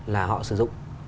là họ sử dụng